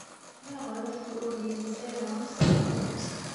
Maɣef ur d-iris ara seg tkeṛṛust?